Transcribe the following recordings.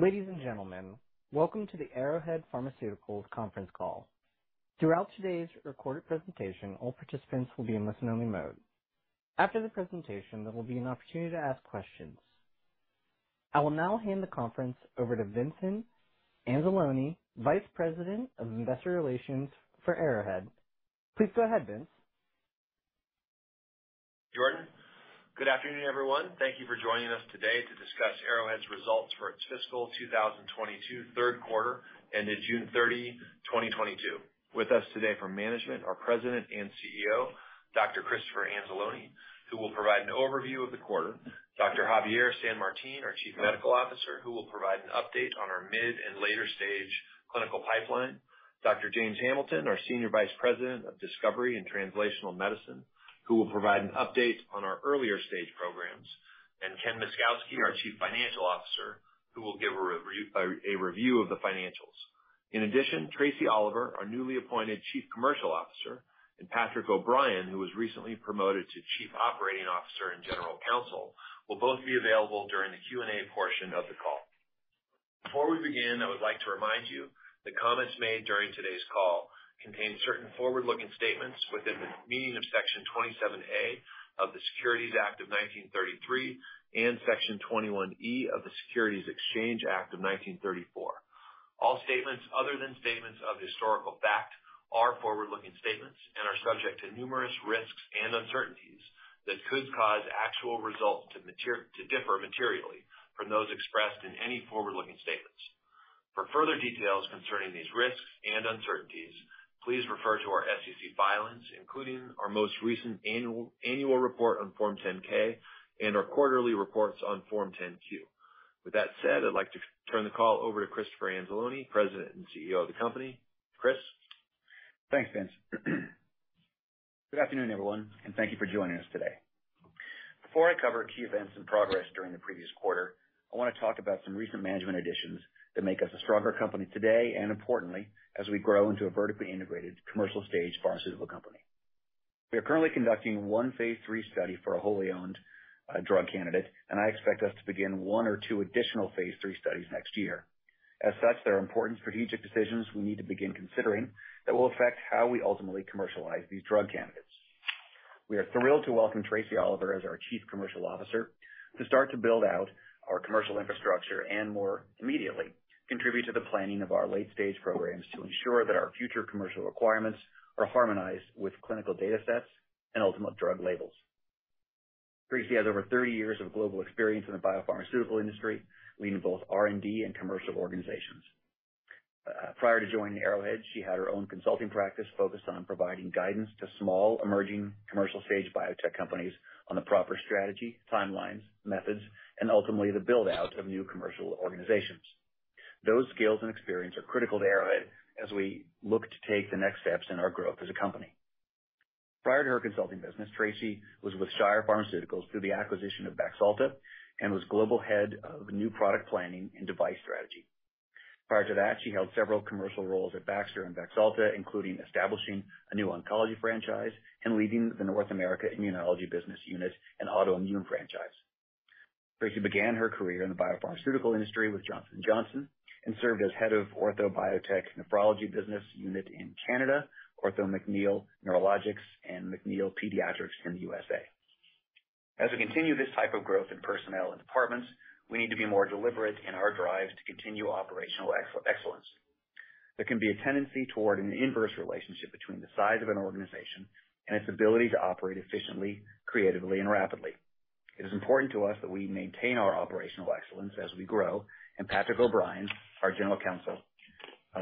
Ladies and gentlemen, welcome to the Arrowhead Pharmaceuticals conference call. Throughout today's recorded presentation, all participants will be in listen-only mode. After the presentation, there will be an opportunity to ask questions. I will now hand the conference over to Vince Anzalone, Vice President of Investor Relations for Arrowhead. Please go ahead, Vince. Good afternoon, everyone. Thank you for joining us today to discuss Arrowhead's results for its fiscal 2022 third quarter ended June 30, 2022. With us today from management, our President and CEO, Dr. Christopher Anzalone, who will provide an overview of the quarter, Dr. Javier San Martin, our Chief Medical Officer, who will provide an update on our mid and later stage clinical pipeline, Dr. James Hamilton, our Senior Vice President of Discovery and Translational Medicine, who will provide an update on our earlier stage programs, and Ken Myszkowski, our Chief Financial Officer, who will give a review of the financials. In addition, Tracie Oliver, our newly appointed Chief Commercial Officer, and Patrick O'Brien, who was recently promoted to Chief Operating Officer and General Counsel, will both be available during the Q&A portion of the call. Before we begin, I would like to remind you that comments made during today's call contain certain forward-looking statements within the meaning of Section 27A of the Securities Act of 1933 and Section 21E of the Securities Exchange Act of 1934. All statements other than statements of historical fact are forward-looking statements and are subject to numerous risks and uncertainties that could cause actual results to differ materially from those expressed in any forward-looking statements. For further details concerning these risks and uncertainties, please refer to our SEC filings, including our most recent annual report on Form 10-K and our quarterly reports on Form 10-Q. With that said, I'd like to turn the call over to Christopher Anzalone, President and CEO of the company. Chris? Thanks, Vince. Good afternoon, everyone, and thank you for joining us today. Before I cover key events and progress during the previous quarter, I wanna talk about some recent management additions that make us a stronger company today and importantly, as we grow into a vertically integrated commercial stage pharmaceutical company. We are currently conducting one phase III study for a wholly owned drug candidate, and I expect us to begin one or two additional phase III studies next year. As such, there are important strategic decisions we need to begin considering that will affect how we ultimately commercialize these drug candidates. We are thrilled to welcome Tracie Oliver as our Chief Commercial Officer to start to build out our commercial infrastructure and more immediately contribute to the planning of our late stage programs to ensure that our future commercial requirements are harmonized with clinical data sets and ultimate drug labels. Tracie has over 30 years of global experience in the biopharmaceutical industry, leading both R&D and commercial organizations. Prior to joining Arrowhead, she had her own consulting practice focused on providing guidance to small emerging commercial stage biotech companies on the proper strategy, timelines, methods, and ultimately the build-out of new commercial organizations. Those skills and experience are critical to Arrowhead as we look to take the next steps in our growth as a company. Prior to her consulting business, Tracie was with Shire Pharmaceuticals through the acquisition of Baxalta and was Global Head of New Product Planning and Device Strategy. Prior to that, she held several commercial roles at Baxter and Baxalta, including establishing a new oncology franchise and leading the North America Immunology Business Unit and autoimmune franchise. Tracie began her career in the biopharmaceutical industry with Johnson & Johnson and served as Head of Ortho Biotech Nephrology Business Unit in Canada, Ortho-McNeil Neurologics, and McNeil Pediatrics in the USA. As we continue this type of growth in personnel and departments, we need to be more deliberate in our drive to continue operational excellence. There can be a tendency toward an inverse relationship between the size of an organization and its ability to operate efficiently, creatively, and rapidly. It is important to us that we maintain our operational excellence as we grow, and Patrick O'Brien, our General Counsel,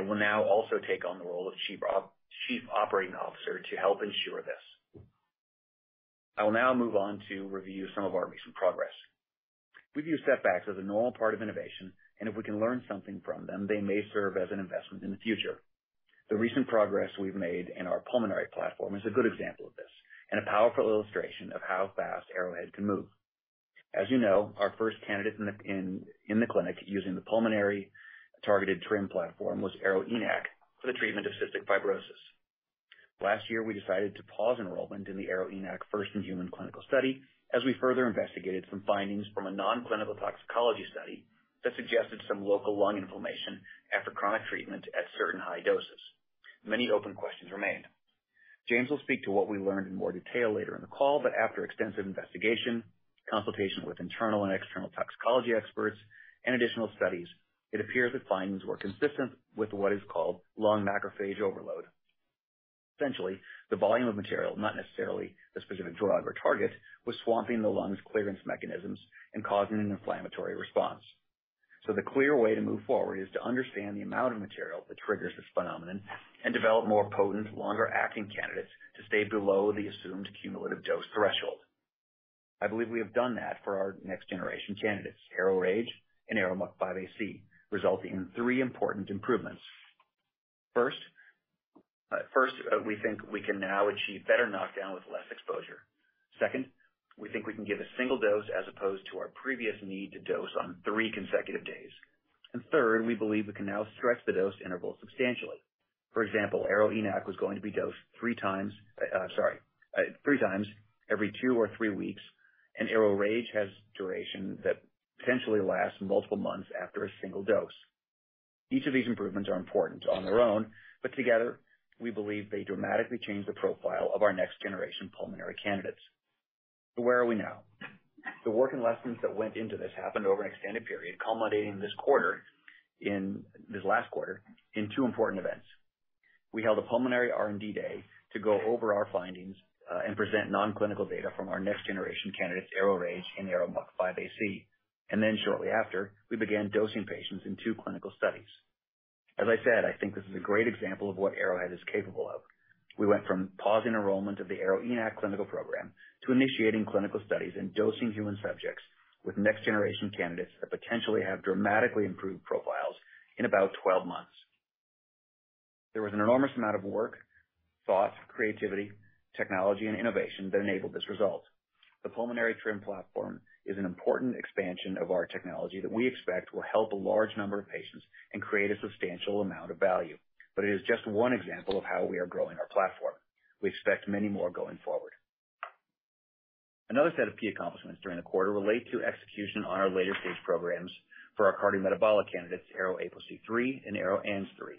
will now also take on the role of Chief Operating Officer to help ensure this. I will now move on to review some of our recent progress. We view setbacks as a normal part of innovation, and if we can learn something from them, they may serve as an investment in the future. The recent progress we've made in our pulmonary platform is a good example of this and a powerful illustration of how fast Arrowhead can move. As you know, our first candidate in the clinic using the pulmonary-targeted TRiM platform was ARO-ENaC for the treatment of cystic fibrosis. Last year, we decided to pause enrollment in the ARO-ENaC first-in-human clinical study as we further investigated some findings from a non-clinical toxicology study that suggested some local lung inflammation after chronic treatment at certain high doses. Many open questions remained. James will speak to what we learned in more detail later in the call, but after extensive investigation, consultation with internal and external toxicology experts and additional studies, it appears that findings were consistent with what is called lung macrophage overload. Essentially, the volume of material, not necessarily the specific drug or target, was swamping the lung's clearance mechanisms and causing an inflammatory response. The clear way to move forward is to understand the amount of material that triggers this phenomenon and develop more potent, longer-acting candidates to stay below the assumed cumulative dose threshold. I believe we have done that for our next generation candidates, ARO-RAGE and ARO-MUC5AC, resulting in three important improvements. First, first, we think we can now achieve better knockdown with less exposure. Second, we think we can give a single dose as opposed to our previous need to dose on three consecutive days. Third, we believe we can now stretch the dose interval substantially. For example, ARO-ENaC was going to be dosed three times every two or three weeks, and ARO-RAGE has duration that potentially lasts multiple months after a single dose. Each of these improvements are important on their own, but together we believe they dramatically change the profile of our next generation pulmonary candidates. Where are we now? The work and lessons that went into this happened over an extended period culminating this last quarter in two important events. We held a pulmonary R&D day to go over our findings and present non-clinical data from our next generation candidates, ARO-RAGE and ARO-MUC5AC. Shortly after, we began dosing patients in two clinical studies. As I said, I think this is a great example of what Arrowhead is capable of. We went from pausing enrollment of the ARO-ENaC clinical program to initiating clinical studies and dosing human subjects with next generation candidates that potentially have dramatically improved profiles in about 12 months. There was an enormous amount of work, thought, creativity, technology and innovation that enabled this result. The pulmonary TRiM platform is an important expansion of our technology that we expect will help a large number of patients and create a substantial amount of value, but it is just one example of how we are growing our platform. We expect many more going forward. Another set of key accomplishments during the quarter relate to execution on our later stage programs for our cardiometabolic candidates, ARO-APOC3 and ARO-ANG3.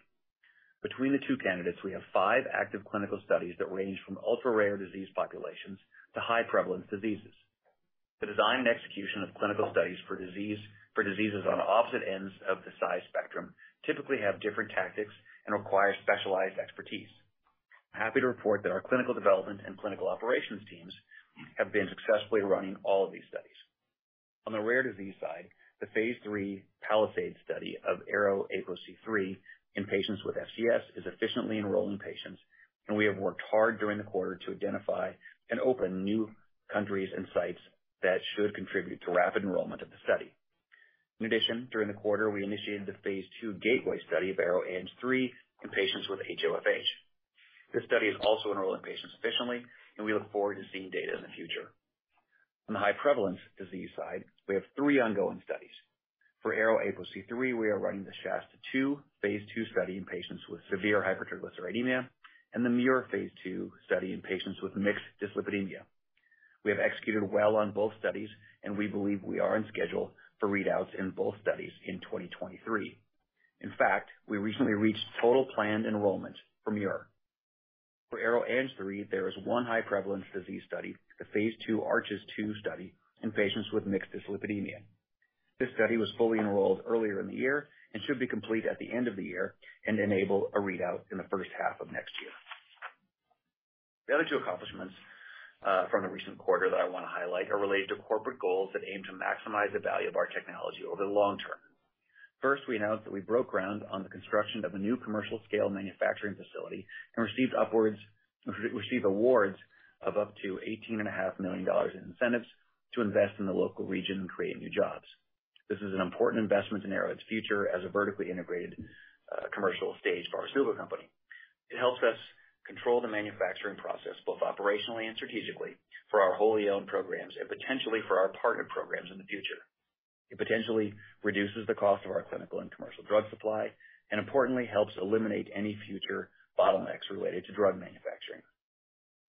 Between the two candidates, we have five active clinical studies that range from ultra-rare disease populations to high prevalence diseases. The design and execution of clinical studies for diseases on opposite ends of the size spectrum typically have different tactics and require specialized expertise. I'm happy to report that our clinical development and clinical operations teams have been successfully running all of these studies. On the rare disease side, the phase III PALISADE study of ARO-APOC3 in patients with FCS is efficiently enrolling patients, and we have worked hard during the quarter to identify and open new countries and sites that should contribute to rapid enrollment of the study. In addition, during the quarter we initiated the phase II GATEWAY study of ARO-ANG3 in patients with HoFH. This study is also enrolling patients efficiently and we look forward to seeing data in the future. On the high prevalence disease side, we have three ongoing studies. For ARO-APOC3 we are running the SHASTA-2, phase II study in patients with severe hypertriglyceridemia and the MUIR phase II study in patients with mixed dyslipidemia. We have executed well on both studies and we believe we are on schedule for readouts in both studies in 2023. In fact, we recently reached total planned enrollment for MUIR. For ARO-ANG3, there is one high prevalence disease study, the phase II ARCHES-2 study in patients with mixed dyslipidemia. This study was fully enrolled earlier in the year and should be complete at the end of the year and enable a readout in the first half of next year. The other two accomplishments from the recent quarter that I wanna highlight are related to corporate goals that aim to maximize the value of our technology over the long term. First, we announced that we broke ground on the construction of a new commercial scale manufacturing facility and received awards of up to $18.5 million in incentives to invest in the local region and create new jobs. This is an important investment in Arrowhead's future as a vertically integrated commercial stage pharmaceutical company. It helps us control the manufacturing process, both operationally and strategically, for our wholly owned programs and potentially for our partner programs in the future. It potentially reduces the cost of our clinical and commercial drug supply, and importantly, helps eliminate any future bottlenecks related to drug manufacturing.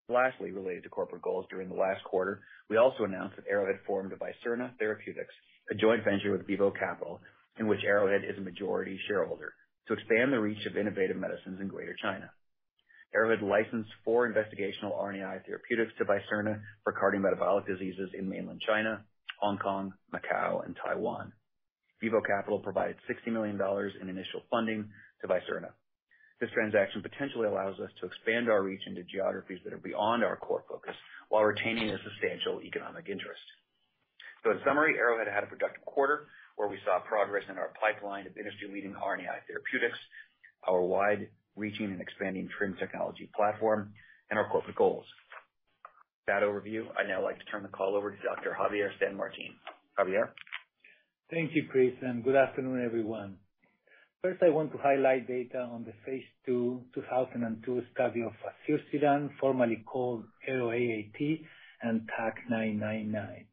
Lastly, related to corporate goals during the last quarter, we also announced that Arrowhead formed Visirna Therapeutics, a joint venture with Vivo Capital, in which Arrowhead is a majority shareholder, to expand the reach of innovative medicines in Greater China. Arrowhead licensed four investigational RNAi therapeutics to Visirna for cardiometabolic diseases in Mainland China, Hong Kong, Macau, and Taiwan. Vivo Capital provided $60 million in initial funding to Visirna. This transaction potentially allows us to expand our reach into geographies that are beyond our core focus while retaining a substantial economic interest. In summary, Arrowhead had a productive quarter where we saw progress in our pipeline of industry-leading RNAi therapeutics, our wide-reaching and expanding TRiM technology platform, and our corporate goals. With that overview, I'd now like to turn the call over to Dr. Javier San Martin. Javier? Thank you, Chris, and good afternoon, everyone. First, I want to highlight data on the phase II 2002 study of fazirsiran, formerly called ARO-AAT, and TAK-999.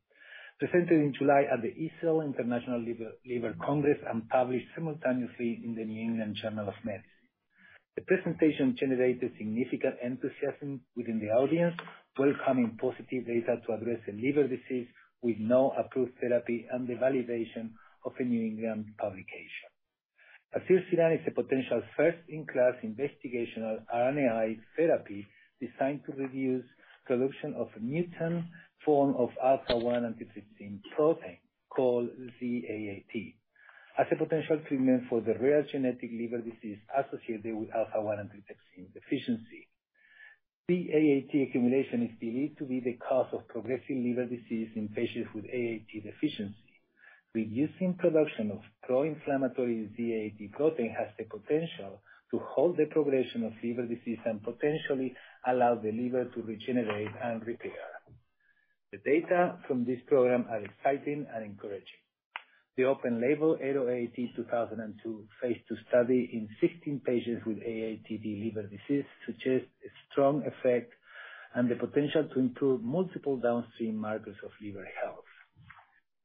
Presented in July at the EASL International Liver Congress and published simultaneously in the New England Journal of Medicine. The presentation generated significant enthusiasm within the audience, welcoming positive data to address a liver disease with no approved therapy and the validation of a New England publication. Fazirsiran is a potential first-in-class investigational RNAi therapy designed to reduce production of mutant form of alpha-1 antitrypsin protein, called Z-AAT, as a potential treatment for the rare genetic liver disease associated with alpha-1 antitrypsin deficiency. Z-AAT accumulation is believed to be the cause of progressive liver disease in patients with AAT deficiency. Reducing production of proinflammatory Z-AAT protein has the potential to halt the progression of liver disease and potentially allow the liver to regenerate and repair. The data from this program are exciting and encouraging. The open label ARO-AAT 2002 phase II study in 16 patients with AAT liver disease suggests a strong effect and the potential to improve multiple downstream markers of liver health.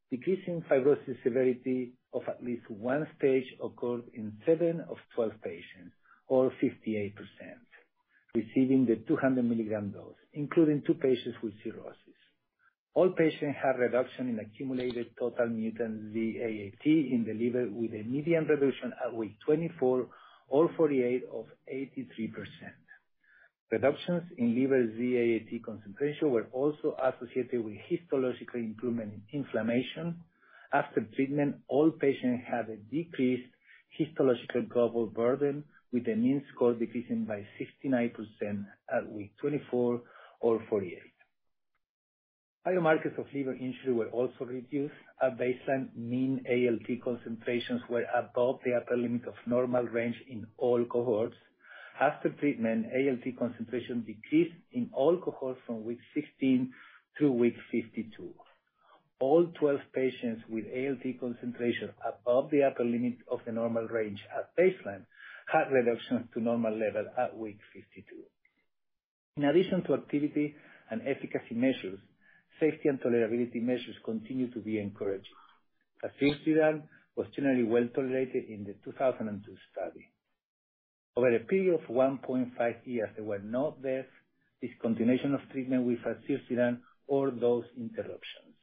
Decreasing fibrosis severity of at least one stage occurred in seven of 12 patients, or 58%, receiving the 200 milligram dose, including two patients with cirrhosis. All patients had reduction in accumulated total mutant Z-AAT in the liver with a median reduction at week 24 of 48%-83%. Reductions in liver Z-AAT concentration were also associated with histological improvement in inflammation. After treatment, all patients had a decreased histological global burden with a mean score decreasing by 69% at week 24 or 48. Biomarkers of liver injury were also reduced. At baseline, mean ALT concentrations were above the upper limit of normal range in all cohorts. After treatment, ALT concentration decreased in all cohorts from week 16 to week 52. All 12 patients with ALT concentration above the upper limit of the normal range at baseline had reductions to normal level at week 52. In addition to activity and efficacy measures, safety and tolerability measures continue to be encouraging. Fazirsiran was generally well-tolerated in the SEQUOIA study. Over a period of 1.5 years, there were no deaths, discontinuation of treatment with fazirsiran, or dose interruptions.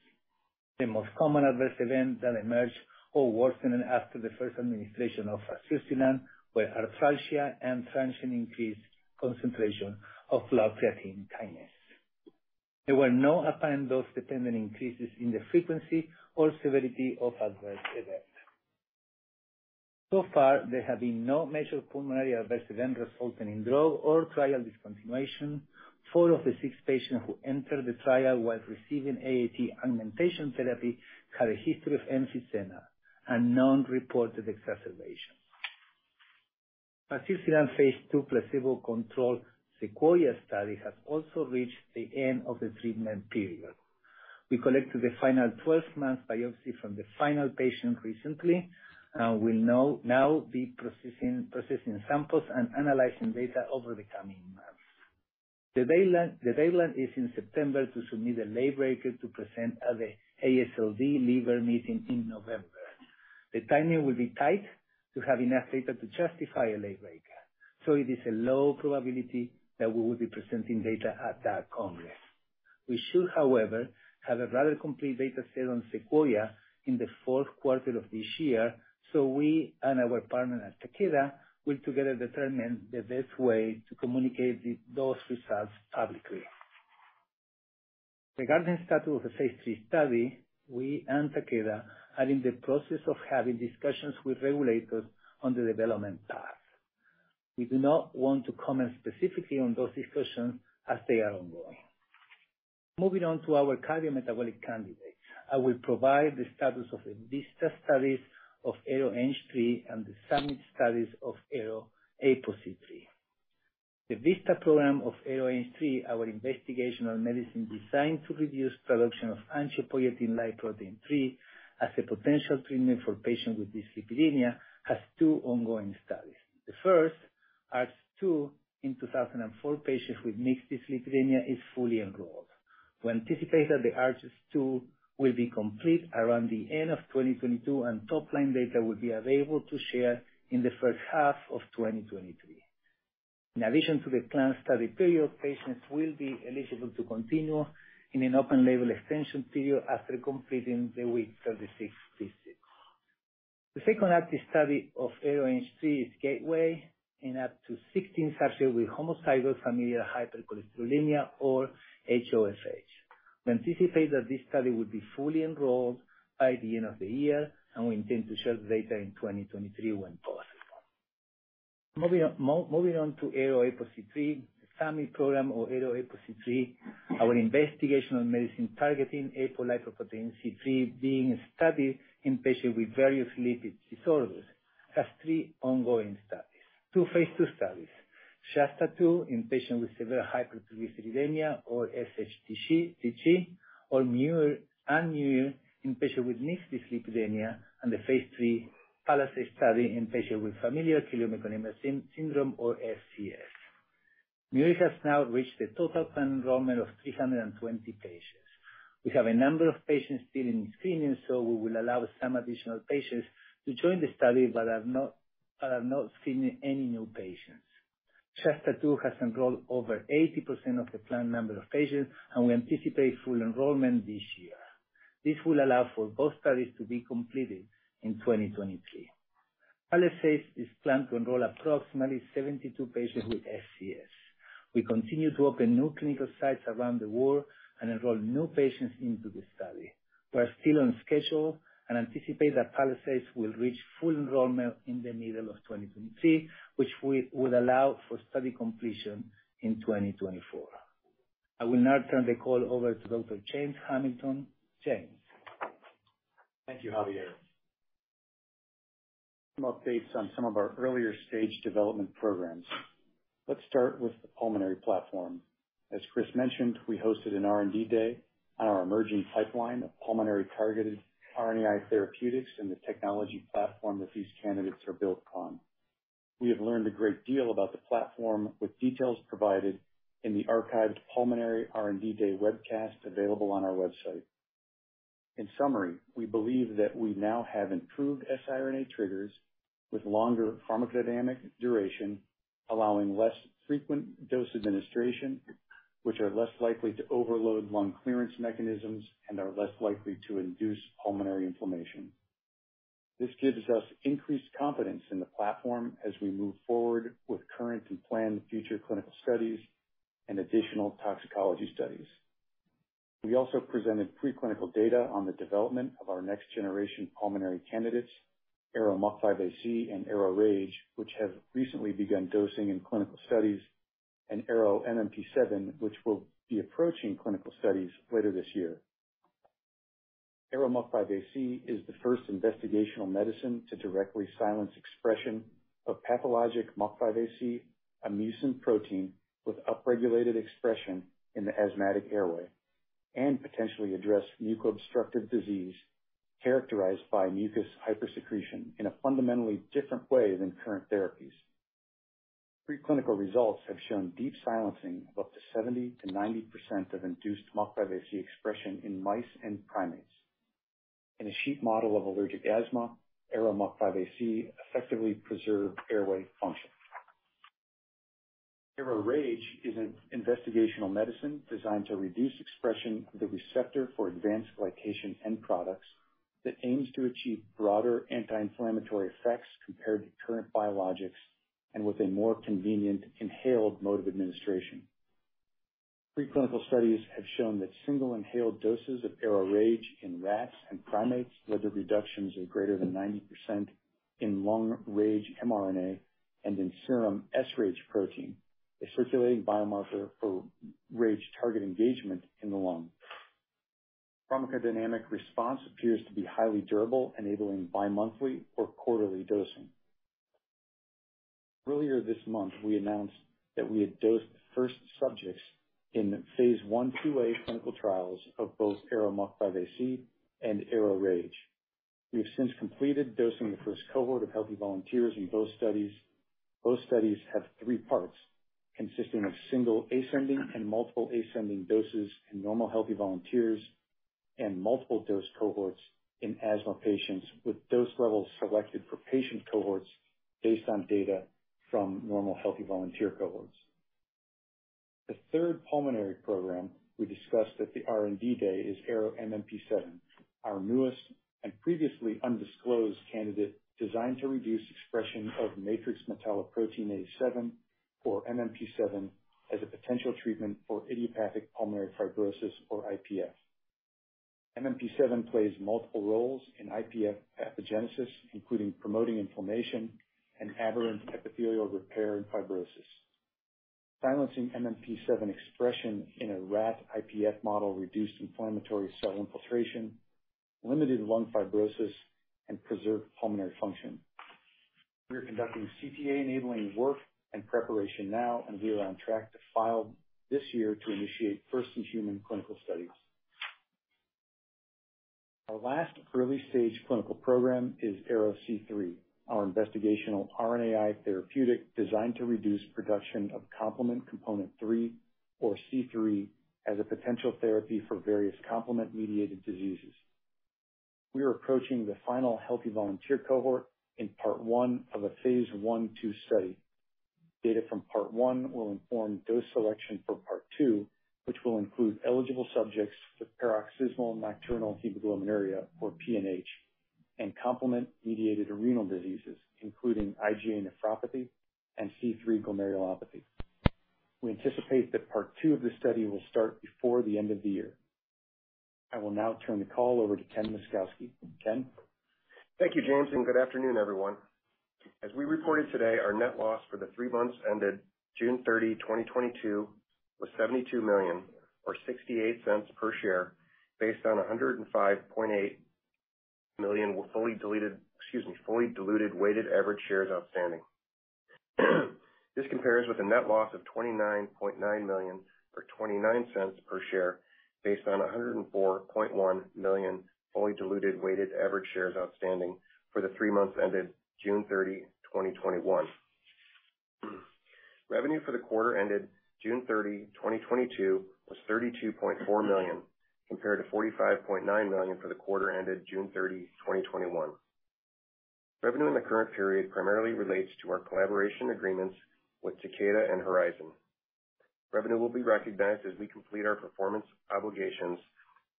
The most common adverse event that emerged or worsened after the first administration of fazirsiran were arthralgia and transient increased concentration of creatine kinase. There were no apparent dose-dependent increases in the frequency or severity of adverse events. Far, there have been no measured pulmonary adverse events resulting in drug or trial discontinuation. Four of the six patients who entered the trial while receiving AAT augmentation therapy had a history of emphysema and unreported exacerbation. Fazirsiran phase II placebo-controlled SEQUOIA study has also reached the end of the treatment period. We collected the final 12-month biopsy from the final patient recently, and we'll now be processing samples and analyzing data over the coming months. The deadline is in September to submit a late breaker to present at the AASLD liver meeting in November. The timing will be tight to have enough data to justify a label breaker, so it is a low probability that we will be presenting data at that congress. We should, however, have a rather complete data set on SEQUOIA in the fourth quarter of this year, so we and our partner at Takeda will together determine the best way to communicate those results publicly. Regarding the status of the phase III study, we and Takeda are in the process of having discussions with regulators on the development path. We do not want to comment specifically on those discussions as they are ongoing. Moving on to our cardiometabolic candidates. I will provide the status of the VISTA studies of ARO-ANG3 and the SUMMIT studies of ARO-APOC3. The VISTA program of ARO-ANG3, our investigational medicine designed to reduce production of angiopoietin-like protein 3 as a potential treatment for patients with dyslipidemia, has two ongoing studies. The first, ARCHES-2 in 2,004 patients with mixed dyslipidemia, is fully enrolled. We anticipate that the ARCHES-2 will be complete around the end of 2022, and top-line data will be available to share in the first half of 2023. In addition to the planned study period, patients will be eligible to continue in an open-label extension period after completing the week 36 visit. The second active study of ARO-ANG3 is GATEWAY in up to 16 subjects with homozygous familial hypercholesterolemia, or HoFH. We anticipate that this study will be fully enrolled by the end of the year, and we intend to share the data in 2023 when possible. Moving on to ARO-APOC3, the SUMMIT program of ARO-APOC3, our investigational medicine targeting apolipoprotein C-III being studied in patients with various lipid disorders, has three ongoing studies. Two phase II studies, SHASTA-2 in patients with severe hypertriglyceridemia, or SHTG, and MUIR in patients with mixed dyslipidemia, and the phase III PALISADE study in patients with familial chylomicronemia syndrome, or FCS. MUIR has now reached the total planned enrollment of 320 patients. We have a number of patients still in screening, so we will allow some additional patients to join the study but have not screened any new patients. SHASTA-2 has enrolled over 80% of the planned number of patients, and we anticipate full enrollment this year. This will allow for both studies to be completed in 2023. PALISADE is planned to enroll approximately 72 patients with FCS. We continue to open new clinical sites around the world and enroll new patients into the study. We are still on schedule and anticipate that PALISADE will reach full enrollment in the middle of 2023, which we would allow for study completion in 2024. I will now turn the call over to Dr. James Hamilton. James. Thank you, Javier. Some updates on some of our earlier stage development programs. Let's start with the pulmonary platform. As Chris mentioned, we hosted an R&D day on our emerging pipeline of pulmonary-targeted RNAi therapeutics and the technology platform that these candidates are built on. We have learned a great deal about the platform with details provided in the archived Pulmonary R&D Day webcast available on our website. In summary, we believe that we now have improved siRNA triggers with longer pharmacodynamic duration, allowing less frequent dose administration, which are less likely to overload lung clearance mechanisms and are less likely to induce pulmonary inflammation. This gives us increased confidence in the platform as we move forward with current and planned future clinical studies and additional toxicology studies. We also presented preclinical data on the development of our next-generation pulmonary candidates, ARO-MUC5AC and ARO-RAGE, which have recently begun dosing in clinical studies, and ARO-MMP7, which will be approaching clinical studies later this year. ARO-MUC5AC is the first investigational medicine to directly silence expression of pathologic MUC5AC, a mucin protein with upregulated expression in the asthmatic airway and potentially address muco-obstructive disease characterized by mucus hypersecretion in a fundamentally different way than current therapies. Preclinical results have shown deep silencing of up to 70%-90% of induced MUC5AC expression in mice and primates. In a sheep model of allergic asthma, ARO-MUC5AC effectively preserved airway function. ARO-RAGE is an investigational medicine designed to reduce expression of the receptor for advanced glycation end products that aims to achieve broader anti-inflammatory effects compared to current biologics and with a more convenient inhaled mode of administration. Preclinical studies have shown that single inhaled doses of ARO-RAGE in rats and primates led to reductions of greater than 90% in lung RAGE mRNA and in serum sRAGE protein, a circulating biomarker for RAGE target engagement in the lung. Pharmacodynamic response appears to be highly durable, enabling bi-monthly or quarterly dosing. Earlier this month, we announced that we had dosed the first subjects in phase I/IIa clinical trials of both ARO-MUC5AC and ARO-RAGE. We have since completed dosing the first cohort of healthy volunteers in both studies. Both studies have three parts consisting of single ascending and multiple ascending doses in normal healthy volunteers and multiple dose cohorts in asthma patients with dose levels selected for patient cohorts based on data from normal healthy volunteer cohorts. The third pulmonary program we discussed at the R&D Day is ARO-MMP7, our newest and previously undisclosed candidate designed to reduce expression of matrix metalloproteinase 7 or MMP7 as a potential treatment for idiopathic pulmonary fibrosis or IPF. MMP7 plays multiple roles in IPF pathogenesis, including promoting inflammation and aberrant epithelial repair and fibrosis. Silencing MMP7 expression in a rat IPF model reduced inflammatory cell infiltration, limited lung fibrosis, and preserved pulmonary function. We are conducting CTA-enabling work and preparation now and be on track to file this year to initiate first-in-human clinical studies. Our last early-stage clinical program is ARO-C3, our investigational RNAi therapeutic designed to reduce production of complement component 3 or C3 as a potential therapy for various complement-mediated diseases. We are approaching the final healthy volunteer cohort in part one of a phase I/II study. Data from part one will inform dose selection for part two, which will include eligible subjects with paroxysmal nocturnal hemoglobinuria or PNH and complement-mediated renal diseases, including IgA nephropathy and C3 glomerulopathy. We anticipate that part two of the study will start before the end of the year. I will now turn the call over to Ken Myszkowski. Ken? Thank you, James, and good afternoon, everyone. As we reported today, our net loss for the three months ended June 30, 2022 was $72 million or $0.68 per share based on 105.8 million fully diluted weighted average shares outstanding. This compares with a net loss of $29.9 million or $0.29 per share based on 104.1 million fully diluted weighted average shares outstanding for the three months ended June 30, 2021. Revenue for the quarter ended June 30, 2022 was $32.4 million, compared to $45.9 million for the quarter ended June 30, 2021. Revenue in the current period primarily relates to our collaboration agreements with Takeda and Horizon. Revenue will be recognized as we complete our performance obligations,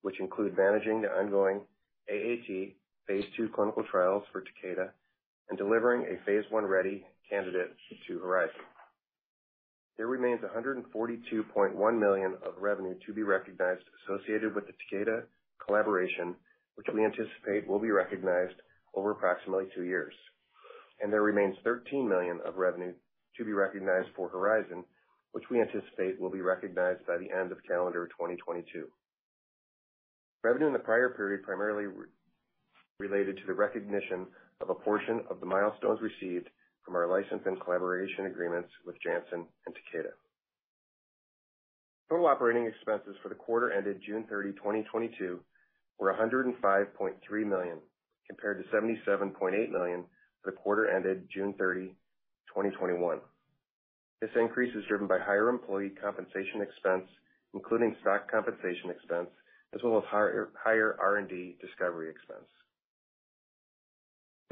which include managing the ongoing AAT phase II clinical trials for Takeda and delivering a phase I-ready candidate to Horizon. There remains $142.1 million of revenue to be recognized associated with the Takeda collaboration, which we anticipate will be recognized over approximately two years. There remains $13 million of revenue to be recognized for Horizon, which we anticipate will be recognized by the end of calendar 2022. Revenue in the prior period primarily related to the recognition of a portion of the milestones received from our license and collaboration agreements with Janssen and Takeda. Total operating expenses for the quarter ended June 30, 2022 were $105.3 million, compared to $77.8 million for the quarter ended June 30, 2021. This increase is driven by higher employee compensation expense, including stock compensation expense, as well as higher R&D discovery expense.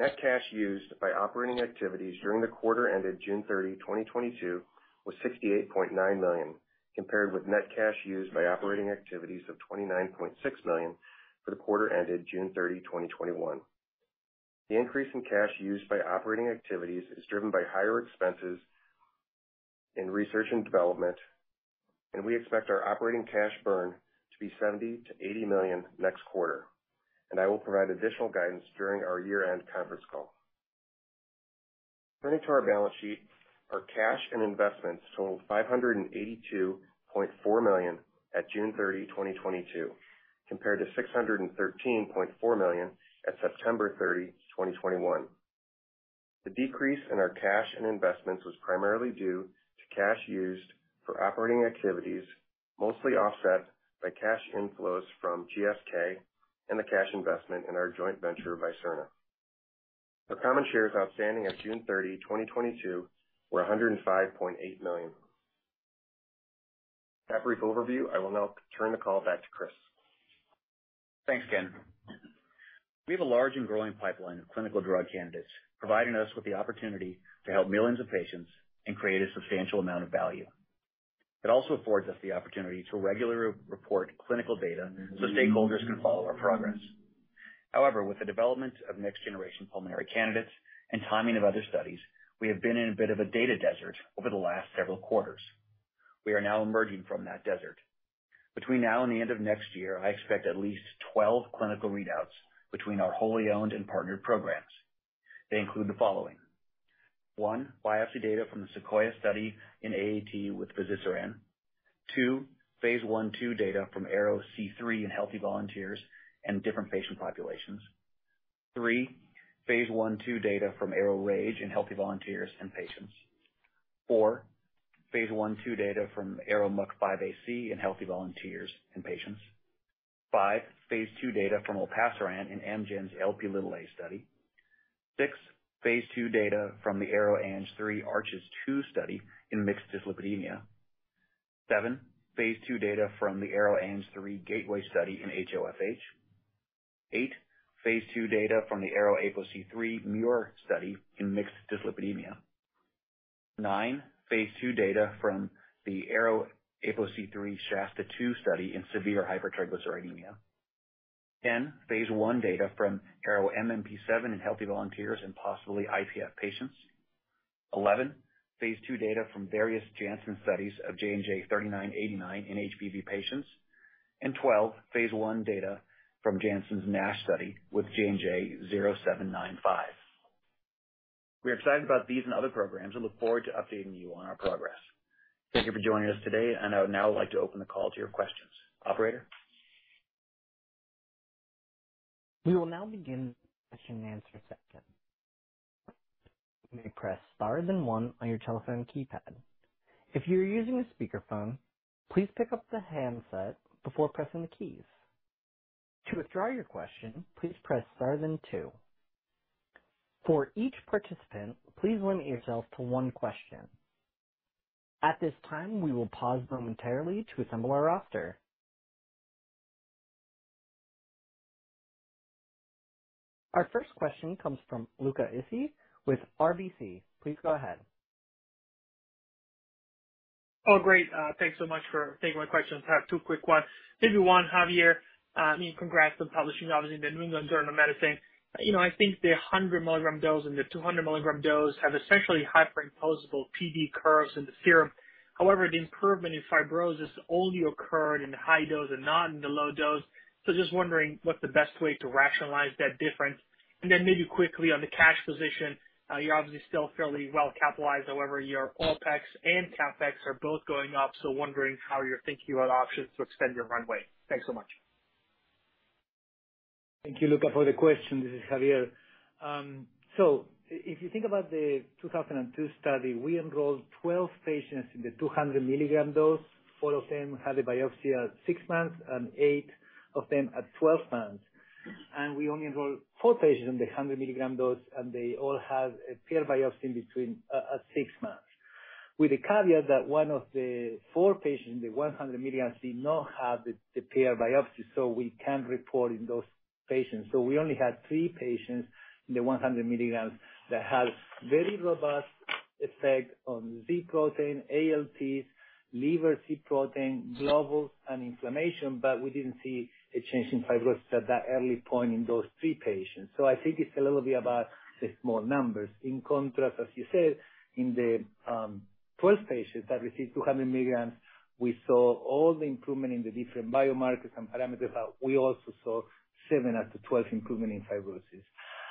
Net cash used by operating activities during the quarter ended June 30, 2022 was $68.9 million, compared with net cash used by operating activities of $29.6 million for the quarter ended June 30, 2021. The increase in cash used by operating activities is driven by higher expenses in research and development, and we expect our operating cash burn to be $70 million-$80 million next quarter. I will provide additional guidance during our year-end conference call. Turning to our balance sheet, our cash and investments totaled $582.4 million at June 30, 2022, compared to $613.4 million at September 30, 2021. The decrease in our cash and investments was primarily due to cash used for operating activities, mostly offset by cash inflows from GSK and the cash investment in our joint venture with Vivo. Our common shares outstanding at June 30, 2022 were 105.8 million. With that brief overview, I will now turn the call back to Chris. Thanks, Ken. We have a large and growing pipeline of clinical drug candidates, providing us with the opportunity to help millions of patients and create a substantial amount of value. It also affords us the opportunity to regularly report clinical data so stakeholders can follow our progress. However, with the development of next-generation pulmonary candidates and timing of other studies, we have been in a bit of a data desert over the last several quarters. We are now emerging from that desert. Between now and the end of next year, I expect at least 12 clinical readouts between our wholly owned and partnered programs. They include the following. One, biopsy data from the SEQUOIA study in AAT with fazirsiran. Two, phase I/II data from ARO-C3 in healthy volunteers and different patient populations. Three, phase I/II data from ARO-RAGE in healthy volunteers and patients. Four, phase I/II data from ARO-MUC5AC in healthy volunteers and patients. Five, phase II data from Olpasiran in Amgen's Lp(a) study. Six, phase II data from the ARO-ANG3 ARCHES-2 study in mixed dyslipidemia. Seven, phase II data from the ARO-ANG3 GATEWAY study in HoFH. Eight, phase II data from the ARO-APOC3 MUIR study in mixed dyslipidemia. Nine, phase II data from the ARO-APOC3 SHASTA-2 study in severe hypertriglyceridemia. 10, phase I data from ARO-MMP7 in healthy volunteers and possibly IPF patients. 11, phase II data from various Janssen studies of JNJ-3989 in HBV patients. 12, phase I data from Janssen's NASH study with JNJ-0795. We are excited about these and other programs and look forward to updating you on our progress. Thank you for joining us today, and I would now like to open the call to your questions. Operator? We will now begin the question and answer session. You may press star then one on your telephone keypad. If you are using a speakerphone, please pick up the handset before pressing the keys. To withdraw your question, please press star then two. For each participant, please limit yourself to one question. At this time, we will pause momentarily to assemble our roster. Our first question comes from Luca Issi with RBC. Please go ahead. Oh, great. Thanks so much for taking my questions. I have two quick ones. Maybe one, Javier, I mean, congrats on publishing obviously in The New England Journal of Medicine. You know, I think the 100 milligram dose and the 200 milligram dose have essentially hyperimposable PD curves in the serum. However, the improvement in fibrosis only occurred in the high dose and not in the low dose. Just wondering what's the best way to rationalize that difference. Then maybe quickly on the cash position, you're obviously still fairly well capitalized. However, your OpEx and CapEx are both going up, so wondering how you're thinking about options to extend your runway. Thanks so much. Thank you, Luca, for the question. This is Javier. If you think about the 2002 study, we enrolled 12 patients in the 200 milligram dose. Four of them had a biopsy at six months and eight of them at 12 months. We only enrolled four patients in the 100 milligram dose, and they all had a paired biopsy in between at six months. With the caveat that one of the four patients in the 100 milligrams did not have the paired biopsy, so we can't report in those patients. We only had three patients in the 100 milligrams that had very robust effect on Z-AAT, ALT, liver Z-AAT, globules and inflammation, but we didn't see a change in fibrosis at that early point in those three patients. I think it's a little bit about the small numbers. In contrast, as you said, in the twelve patients that received 200 milligrams, we saw all the improvement in the different biomarkers and parameters. We also saw seven to 12 improvement in fibrosis.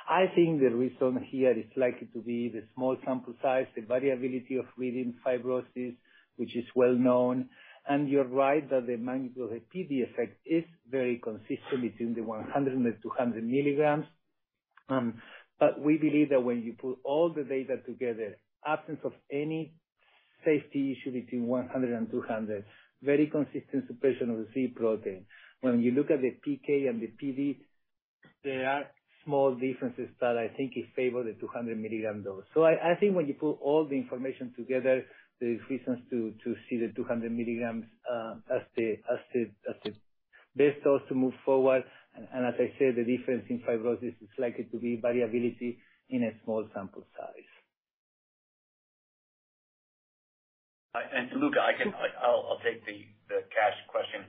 I think the reason here is likely to be the small sample size, the variability of reading fibrosis, which is well known. You're right that the magnitude of the PD effect is very consistent between the 100 and the 200 milligrams. But we believe that when you put all the data together, absence of any safety issue between 100 and 200, very consistent suppression of the C3 protein. When you look at the PK and the PD, there are small differences that I think favor the 200 milligram dose. I think when you put all the information together, there's reasons to see the 200 milligrams as the best dose to move forward. As I said, the difference in fibrosis is likely to be variability in a small sample size. Luca, I'll take the cash question.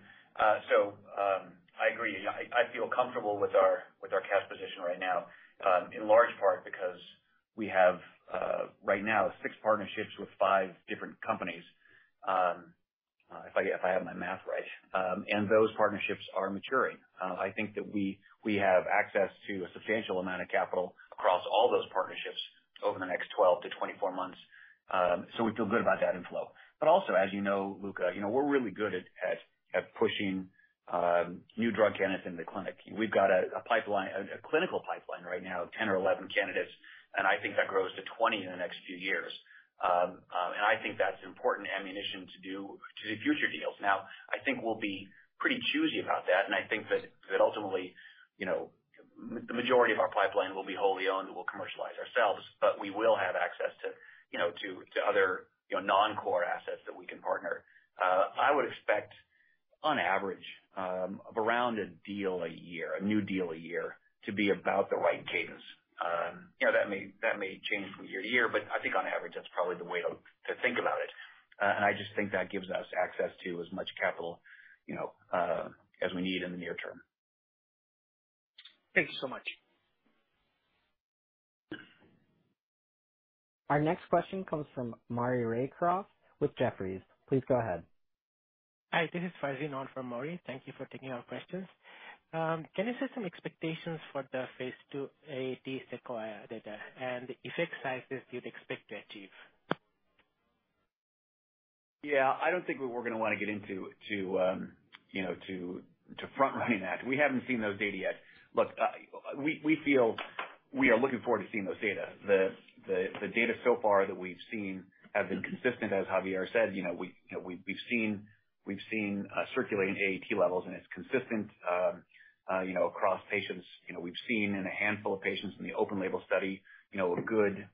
So, I agree. I feel comfortable with our cash position right now, in large part because we have right now six partnerships with five different companies, if I have my math right. Those partnerships are maturing. I think that we have access to a substantial amount of capital across all those partnerships over the next 12 to 24 months. So we feel good about that inflow. But also, as you know, Luca, you know, we're really good at pushing new drug candidates in the clinic. We've got a clinical pipeline right now of 10 or 11 candidates, and I think that grows to 20 in the next few years. I think that's important ammunition to do future deals. Now, I think we'll be pretty choosy about that, and I think that ultimately, you know, the majority of our pipeline will be wholly owned and we'll commercialize ourselves, but we will have access to, you know, to other, you know, non-core assets that we can partner. I would expect on average of around a new deal a year to be about the right cadence. You know, that may change from year to year, but I think on average, that's probably the way to think about it. I just think that gives us access to as much capital, you know, as we need in the near term. Thank you so much. Our next question comes from Maury Raycroft with Jefferies. Please go ahead. Hi, this is Farzin on for Maury Raycroft. Thank you for taking our questions. Can you set some expectations for the phase II SEQUOIA data and effect sizes you'd expect to achieve? Yeah. I don't think we were gonna wanna get into front running that. We haven't seen those data yet. Look, we feel we are looking forward to seeing those data. The data so far that we've seen have been consistent, as Javier said. You know, we, you know, we've seen circulating AAT levels and it's consistent, you know, across patients. You know, we've seen in a handful of patients in the open label study, you know, a good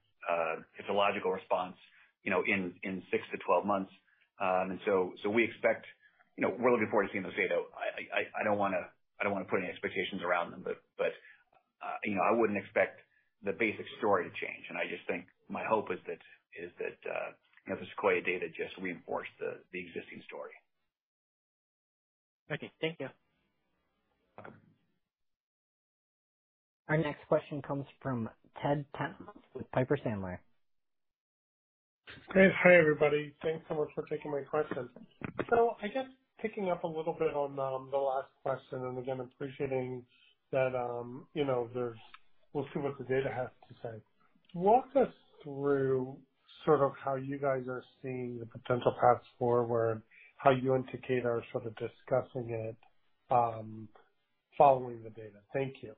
physiological response, you know, in 6-12 months. We expect. You know, we're looking forward to seeing those data. I don't wanna put any expectations around them, but you know, I wouldn't expect the basic story to change, and I just think my hope is that you know, the SEQUOIA data just reinforced the existing story. Okay. Thank you. Okay. Our next question comes from Ted Tenthoff with Piper Sandler. Great. Hi, everybody. Thanks so much for taking my questions. I guess picking up a little bit on the last question, and again appreciating that, you know, there is, we'll see what the data has to say. Walk us through sort of how you guys are seeing the potential paths forward, how you and Takeda are sort of discussing it, following the data. Thank you.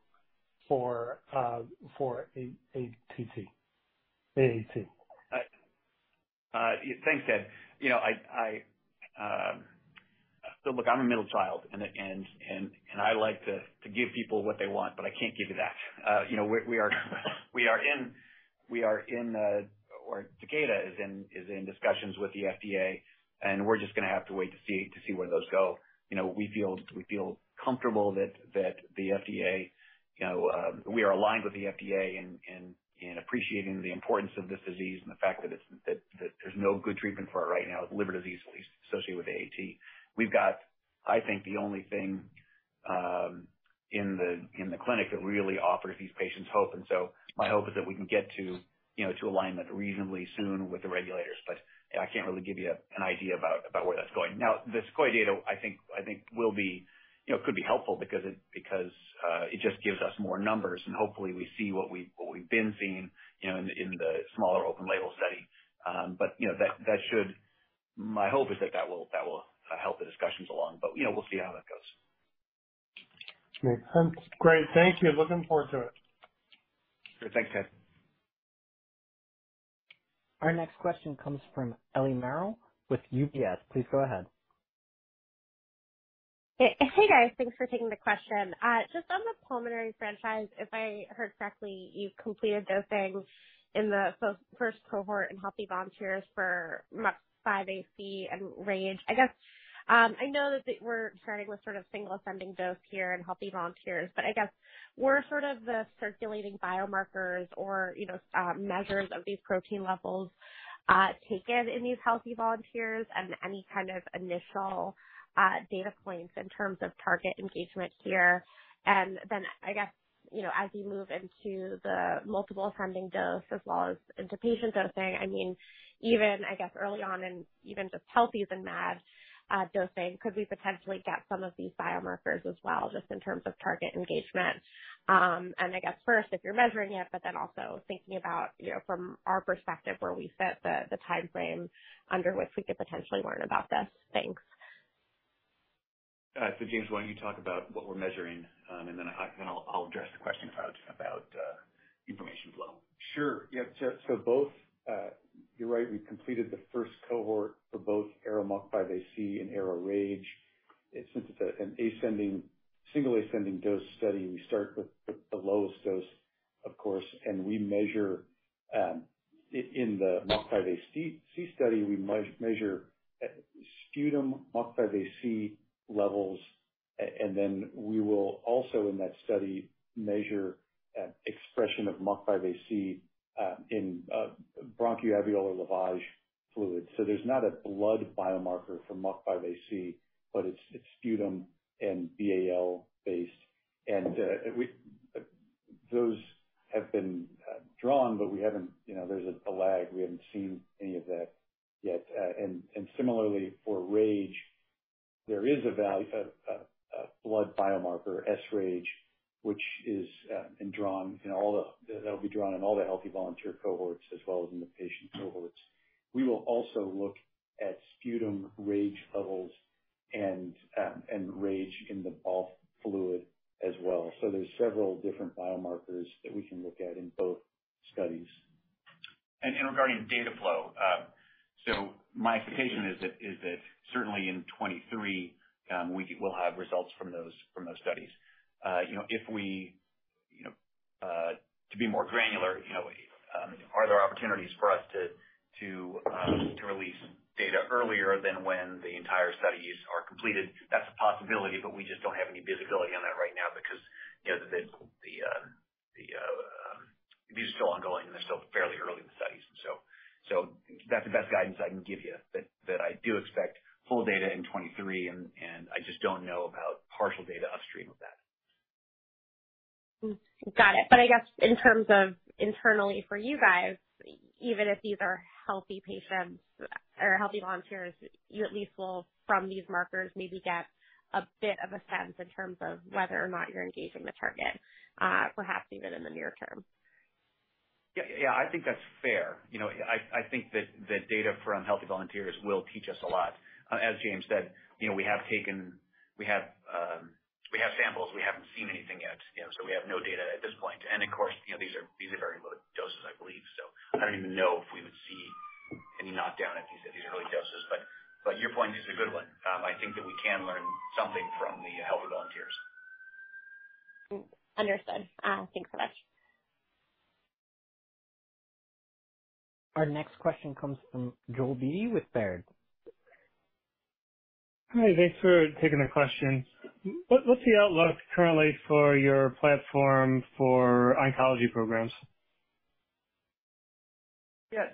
For AAT. Yeah, thanks, Ted. You know, I am a middle child and I like to give people what they want, but I can't give you that. You know, we are in or Takeda is in discussions with the FDA, and we're just gonna have to wait to see where those go. You know, we feel comfortable that the FDA, you know, we are aligned with the FDA in appreciating the importance of this disease and the fact that it's that there's no good treatment for it right now, liver disease at least associated with AAT. We've got, I think, the only thing in the clinic that really offers these patients hope. My hope is that we can get to, you know, to alignment reasonably soon with the regulators, but I can't really give you an idea about where that's going. Now, the SEQUOIA data I think will be, you know, could be helpful because it just gives us more numbers and hopefully we see what we've been seeing, you know, in the smaller open label study. But you know, that should. My hope is that that will help the discussions along. You know, we'll see how that goes. Great. Sounds great. Thank you. Looking forward to it. Great. Thanks, Ted. Our next question comes from Ellie Merle with UBS. Please go ahead. Hey, hey guys. Thanks for taking the question. Just on the pulmonary franchise, if I heard correctly, you've completed dosing in the first cohort in healthy volunteers for MUC5AC and RAGE. I guess, I know that we're starting with sort of single ascending dose here in healthy volunteers, but I guess were circulating biomarkers or, you know, measures of these protein levels taken in these healthy volunteers and any kind of initial data points in terms of target engagement here? I guess, you know, as you move into the multiple ascending dose as well as into patient dosing, I mean, even I guess early on in even just healthy then MAD dosing, could we potentially get some of these biomarkers as well just in terms of target engagement? I guess first if you're measuring it, but then also thinking about, you know, from our perspective where we set the timeframe under which we could potentially learn about this. Thanks. James, why don't you talk about what we're measuring, and then I'll address the question about information flow. You're right, we completed the first cohort for both ARO-MUC5AC and ARO-RAGE. Since it's an ascending, single ascending dose study, we start with the lowest dose, of course, and we measure in the MUC5AC study sputum MUC5AC levels. And then we will also in that study measure expression of MUC5AC in bronchoalveolar lavage fluid. There's not a blood biomarker for MUC5AC, but it's sputum and BAL based. Those have been drawn, but we haven't, you know, there's a lag. We haven't seen any of that yet. Similarly for RAGE, there is a blood biomarker, sRAGE, that'll be drawn in all the healthy volunteer cohorts as well as in the patient cohorts. We will also look at sputum RAGE levels and RAGE in the BALF fluid as well. There's several different biomarkers that we can look at in both studies. Regarding data flow, my expectation is that certainly in 2023, we will have results from those studies. You know, if we you know to be more granular, you know, are there opportunities for us to release data earlier than when the entire studies are completed? That's a possibility, but we just don't have any visibility on that right now because you know the these are still ongoing. They're still fairly early in the studies. So that's the best guidance I can give you. That I do expect full data in 2023 and I just don't know about partial data upstream of that. Got it. I guess in terms of internally for you guys, even if these are healthy patients or healthy volunteers, you at least will, from these markers, maybe get a bit of a sense in terms of whether or not you're engaging the target, perhaps even in the near term. Yeah. Yeah, I think that's fair. You know, I think that the data from healthy volunteers will teach us a lot. As James said, you know, we have samples. We haven't seen anything yet, you know, so we have no data at this point. Of course, you know, these are very low doses, I believe, so I don't even know if we would see any knockdown at these early doses. Your point is a good one. I think that we can learn something from the healthy volunteers. Understood. Thanks so much. Our next question comes from Joel Beatty with Baird. Hi. Thanks for taking the question. What's the outlook currently for your platform for oncology programs? Yeah.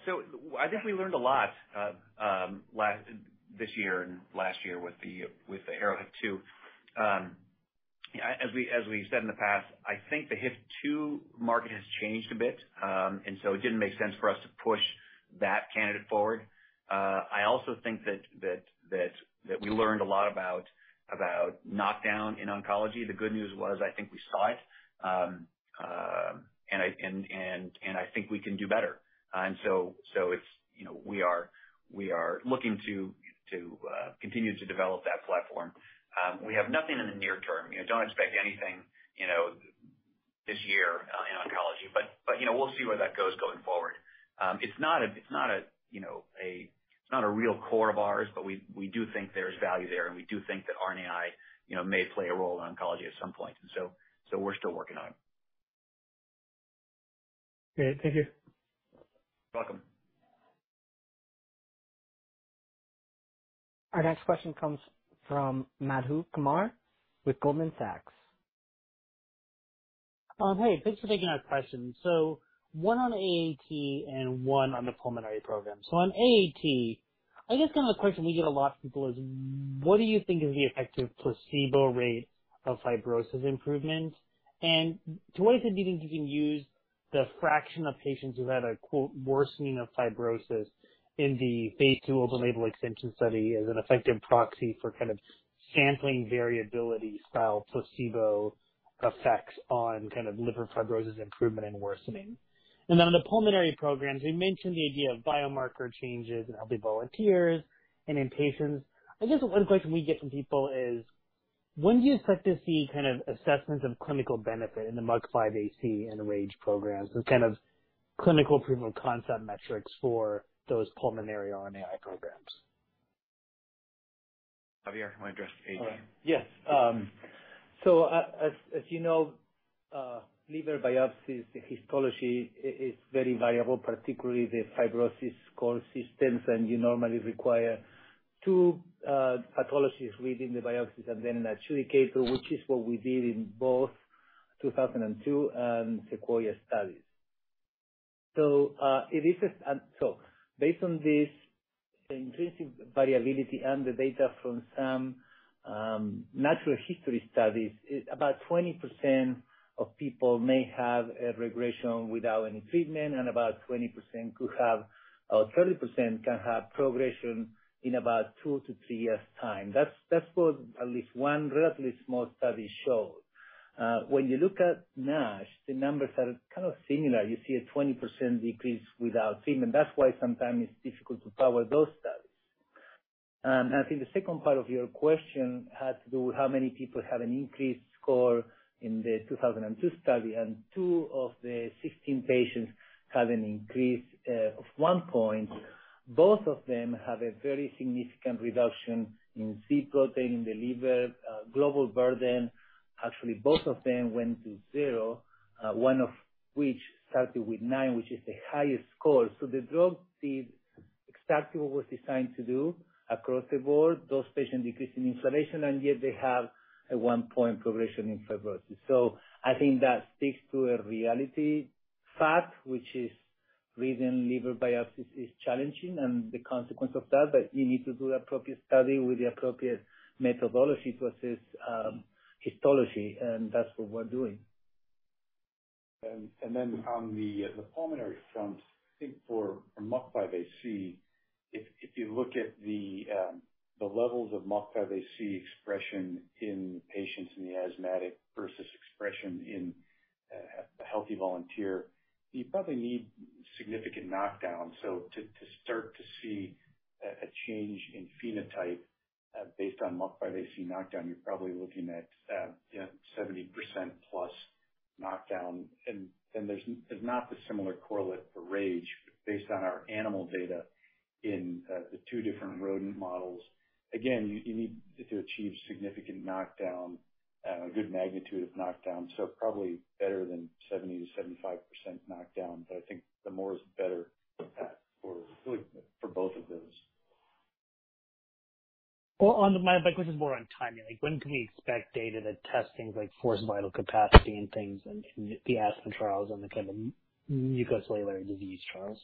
I think we learned a lot, this year and last year with the ARO-HIF2. As we've said in the past, I think the HIF2 market has changed a bit, and it didn't make sense for us to push that candidate forward. I also think that we learned a lot about knockdown in oncology. The good news was, I think we saw it, and I think we can do better. It's, you know, we are looking to continue to develop that platform. We have nothing in the near term. You know, don't expect anything, you know, this year in oncology, you know, we'll see where that goes going forward. It's not a real core of ours, but we do think there's value there, and we do think that RNAi, you know, may play a role in oncology at some point. We're still working on it. Okay. Thank you. You're welcome. Our next question comes from Madhu Kumar with Goldman Sachs. Hey, thanks for taking our question. One on AAT and one on the pulmonary program. On AAT, I guess kind of the question we get a lot from people is what do you think is the effective placebo rate of fibrosis improvement? And to what extent do you think you can use the fraction of patients who had a, quote, "worsening of fibrosis" in the phase II open label extension study as an effective proxy for kind of sampling variability style placebo effects on kind of liver fibrosis improvement and worsening? On the pulmonary programs, you mentioned the idea of biomarker changes in healthy volunteers and in patients. I guess one question we get from people is when do you expect to see kind of assessments of clinical benefit in the MUC5AC and the RAGE programs and kind of clinical proof of concept metrics for those pulmonary RNAi programs? Javier, you want to address AAT? All right. Yes. As you know, liver biopsies, the histology is very variable, particularly the fibrosis score systems. You normally require two pathologists reading the biopsies and then an adjudicator, which is what we did in both 2002 and SEQUOIA studies. It is based on this intrinsic variability and the data from some natural history studies, about 20% of people may have a regression without any treatment, and about 20% could have or 30% can have progression in about two-three years' time. That's what at least one relatively small study showed. When you look at NASH, the numbers are kind of similar. You see a 20% decrease without treatment. That's why sometimes it's difficult to power those studies. I think the second part of your question had to do with how many people have an increased score in the 2002 study, and two of the 16 patients have an increase of one point. Both of them have a very significant reduction in Z-AAT in the liver globule burden. Actually, both of them went to zero, one of which started with 9, which is the highest score. The drug did exactly what it was designed to do across the board. Those patients decreased in inclusion, and yet they have a one-point progression in fibrosis. I think that speaks to the reality, in fact, which is the reason liver biopsy is challenging and the consequence of that, but you need to do appropriate study with the appropriate methodology to assess histology, and that's what we're doing. Then on the pulmonary front, I think for MUC5AC, if you look at the levels of MUC5AC expression in asthmatic patients versus expression in a healthy volunteer, you probably need significant knockdown. To start to see a change in phenotype based on MUC5AC knockdown, you're probably looking at, you know, 70% plus knockdown. There's not the similar correlate for RAGE based on our animal data in the two different rodent models. Again, you need to achieve significant knockdown, a good magnitude of knockdown, so probably better than 70%-75% knockdown. I think the more is better for both of those. Well, my question is more on timing. Like, when can we expect data that test things like forced vital capacity and things in the asthma trials and the kind of muco-obstructive disease trials?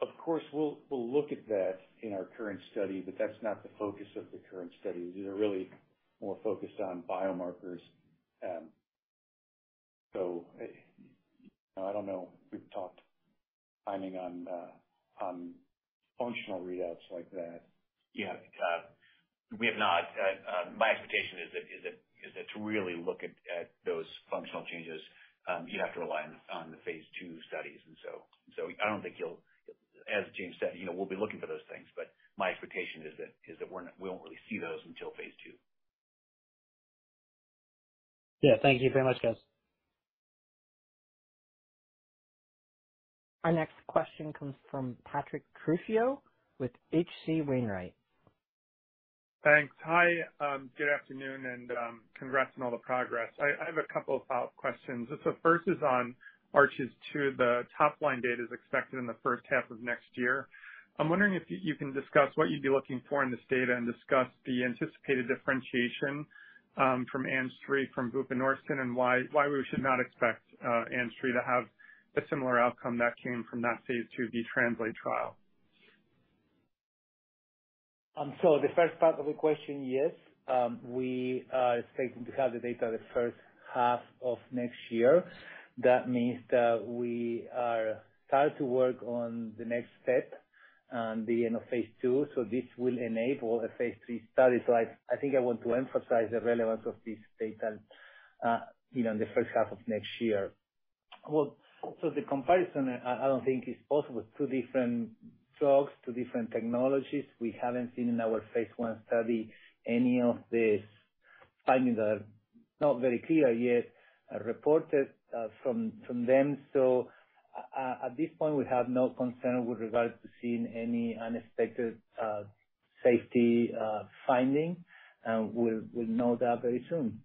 Of course, we'll look at that in our current study, but that's not the focus of the current study. These are really more focused on biomarkers. I don't know if we've talked timing on functional readouts like that. Yeah. We have not. My expectation is that to really look at those functional changes, you'd have to rely on the phase II studies. As James said, you know, we'll be looking for those things, but my expectation is that we're not, we won't really see those until phase II. Yeah. Thank you very much, guys. Our next question comes from Patrick Trucchio with H.C. Wainwright & Co. Thanks. Hi, good afternoon, and congrats on all the progress. I have a couple of follow-up questions. The first is on ARCHES-2, the top-line data is expected in the first half of next year. I'm wondering if you can discuss what you'd be looking for in this data and discuss the anticipated differentiation from ANG3 from Novo Nordisk and why we should not expect ANG3 to have a similar outcome that came from that phase IIb TRANSLATE trial. The first part of the question, yes. We are expecting to have the data the first half of next year. That means that we are starting to work on the next step and the end of phase two, so this will enable a phase three study. I think I want to emphasize the relevance of this data, you know, in the first half of next year. The comparison, I don't think, is possible. Two different drugs, two different technologies. We haven't seen in our phase one study any of these findings are not very clear yet reported from them. At this point, we have no concern with regards to seeing any unexpected safety finding. We'll know that very soon.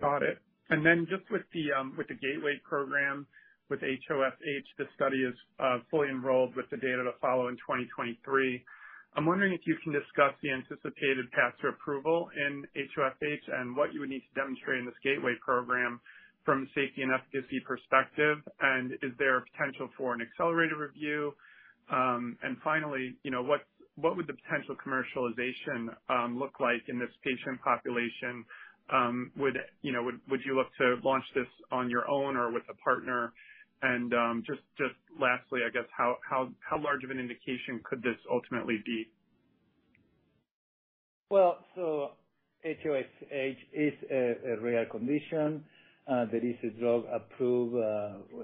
Got it. Just with the GATEWAY program with HoFH, the study is fully enrolled with the data to follow in 2023. I'm wondering if you can discuss the anticipated path to approval in HoFH and what you would need to demonstrate in this GATEWAY program from a safety and efficacy perspective. Is there a potential for an accelerated review? Finally, you know, what would the potential commercialization look like in this patient population? Would you know, would you look to launch this on your own or with a partner? Just lastly, I guess, how large of an indication could this ultimately be? Well, HoFH is a rare condition. There is a drug approved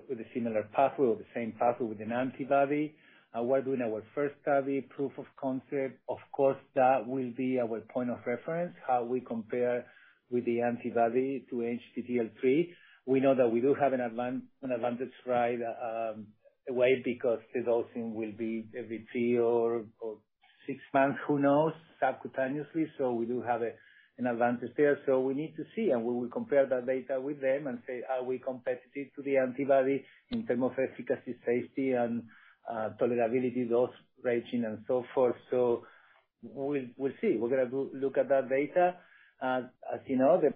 with a similar pathway or the same pathway with an antibody. We're doing our first study, proof of concept. Of course, that will be our point of reference, how we compare with the antibody to ANGPTL3. We know that we do have an advantage right away because the dosing will be every three or six months, who knows, subcutaneously. We do have an advantage there. We need to see, and we will compare that data with them and say, are we competitive to the antibody in terms of efficacy, safety and tolerability, dose ranging and so forth. We'll see. We're gonna look at that data. As you know, the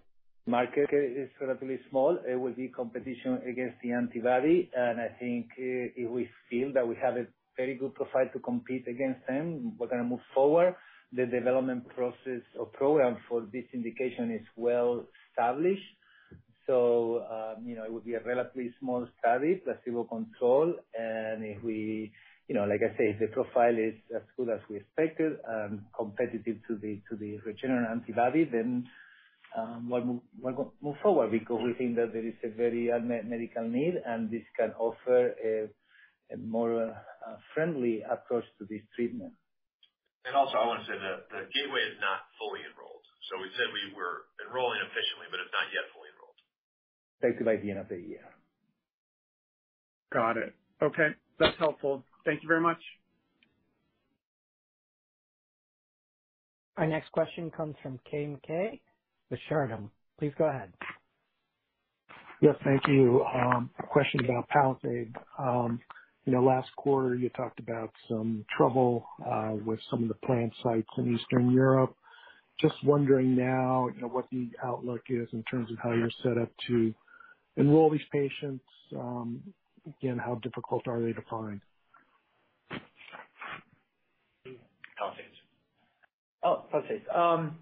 market is relatively small. It will be competition against the antibody. I think if we feel that we have a very good profile to compete against them, we're gonna move forward. The development process or program for this indication is well established. You know, it would be a relatively small study, placebo control. If we, you know, like I say, if the profile is as good as we expected and competitive to the Regeneron antibody, then we'll go move forward because we think that there is a very unmet medical need, and this can offer a more friendly approach to this treatment. Also, I wanna say that the GATEWAY is not fully enrolled. We said we were enrolling efficiently, but it's not yet fully enrolled. Expect it by the end of the year. Got it. Okay. That's helpful. Thank you very much. Our next question comes from Keay Nakae with Chardan. Please go ahead. Yes, thank you. A question about PALISADE. You know, last quarter you talked about some trouble with some of the plant sites in Eastern Europe. Just wondering now, you know, what the outlook is in terms of how you're set up to enroll these patients. Again, how difficult are they to find? PALISADE. Oh, PALISADE.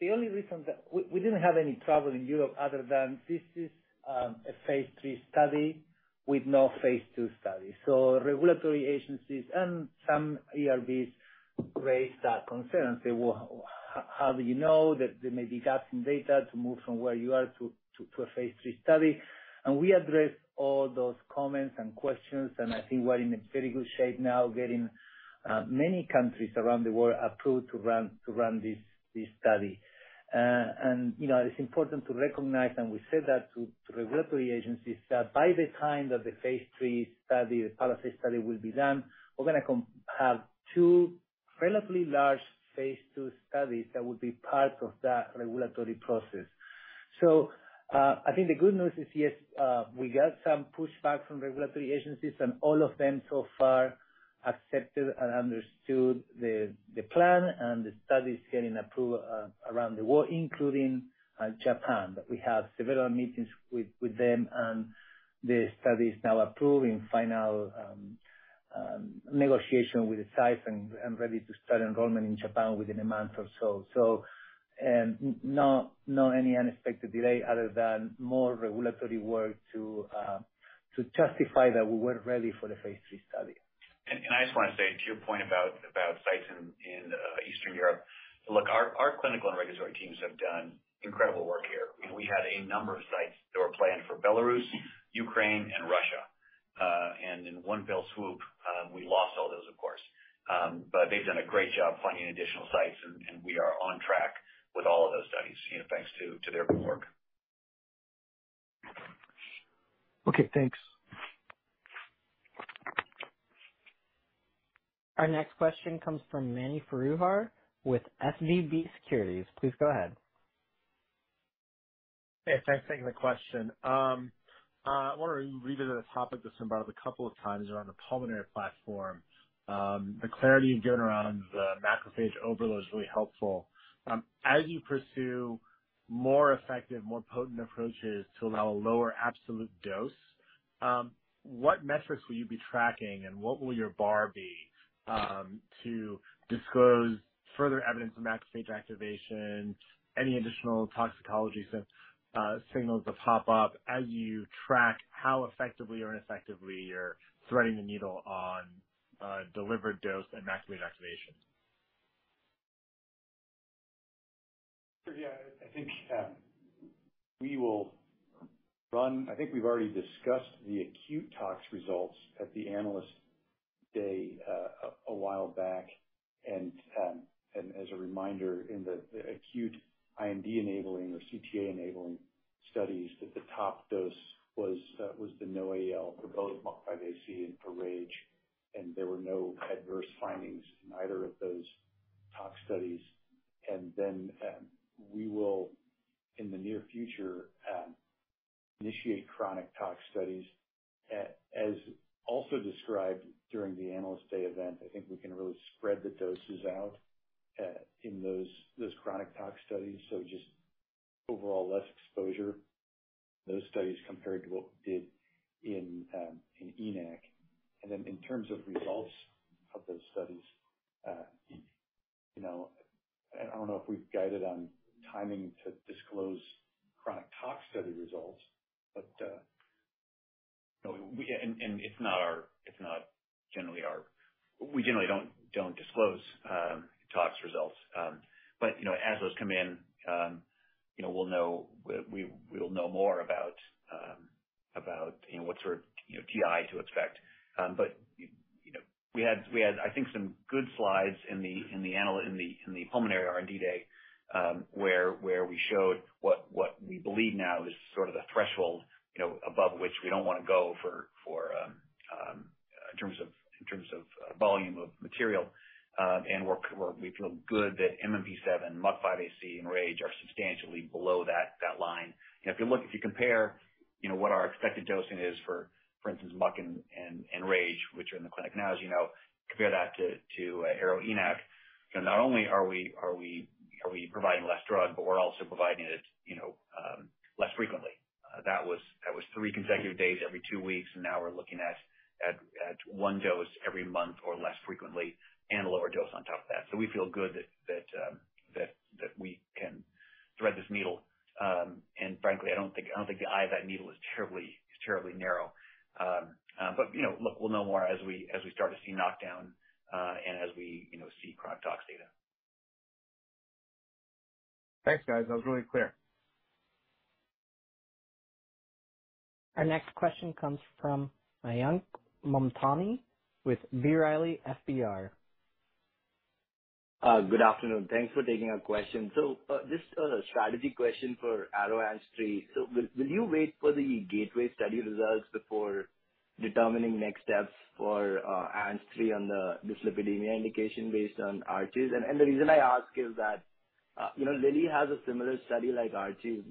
The only reason that we didn't have any trouble in Europe other than this is a phase III study with no phase II study. Regulatory agencies and some IRBs raised that concern, saying, "Well, how do you know that there may be gaps in data to move from where you are to a phase III study?" We addressed all those comments and questions, and I think we're in a very good shape now, getting many countries around the world approved to run this study. You know, it's important to recognize, and we said that to regulatory agencies, that by the time that the phase III study, the PALISADE study, will be done, we're gonna have two relatively large phase II studies that will be part of that regulatory process. I think the good news is, yes, we got some pushback from regulatory agencies, and all of them so far accepted and understood the plan and the studies getting approved around the world, including Japan. We had several meetings with them, and the study is now approved in final negotiation with the sites and ready to start enrollment in Japan within a month or so. Not any unexpected delay other than more regulatory work to justify that we were ready for the phase III study. I just wanna say to your point about sites in Eastern Europe. Look, our clinical and regulatory teams have done incredible work here. You know, we had a number of sites that were planned for Belarus, Ukraine, and Russia. In one fell swoop, we lost all those, of course. They've done a great job finding additional sites and we are on track with all of those studies, you know, thanks to their good work. Okay, thanks. Our next question comes from Mani Foroohar with SVB Securities. Please go ahead. Hey, thanks for taking the question. I want to revisit a topic that's been brought up a couple of times around the pulmonary platform. The clarity you've given around the macrophage overload is really helpful. As you pursue more effective, more potent approaches to allow a lower absolute dose, what metrics will you be tracking, and what will your bar be, to disclose further evidence of macrophage activation, any additional toxicology signals that pop up as you track how effectively or ineffectively you're threading the needle on, delivered dose and macrophage activation? I think we've already discussed the acute tox results at the Analyst Day a while back. As a reminder, in the acute IND-enabling or CTA-enabling studies the top dose was the NOAEL for both MUC5AC and for RAGE, and there were no adverse findings in either of those tox studies. We will, in the near future, initiate chronic tox studies. As also described during the Analyst Day event, I think we can really spread the doses out in those chronic tox studies. Just overall less exposure to those studies compared to what we did in ENaC. In terms of results of those studies, you know, I don't know if we've guided on timing to disclose chronic tox study results, but. No, it's not generally our. We generally don't disclose tox results. You know, as those come in, you know, we'll know more about you know, what sort of you know, TI to expect. You know, we had I think some good slides in the Pulmonary R&D Day, where we showed what we believe now is sort of the threshold, you know, above which we don't wanna go for in terms of volume of material. We feel good that MMP7, MUC5AC and RAGE are substantially below that line. You know, if you look, if you compare, you know, what our expected dosing is for instance, MUC and RAGE, which are in the clinic now, as you know, compare that to ARO-ENaC. You know, not only are we providing less drug, but we're also providing it, you know, less frequently. That was three consecutive days every two weeks, and now we're looking at one dose every month or less frequently and a lower dose on top of that. So we feel good that we can thread this needle. And frankly, I don't think the eye of that needle is terribly narrow. You know, look, we'll know more as we start to see knockdown, and as we, you know, see chronic tox data. Thanks, guys. That was really clear. Our next question comes from Mayank Mamtani with B. Riley FBR. Good afternoon. Thanks for taking our question. Just a strategy question for ARO-ANG3. Will you wait for the GATEWAY study results before determining next steps for ARO-ANG3 on the dyslipidemia indication based on ARCHES? The reason I ask is that you know, Lilly has a similar study like ARCHES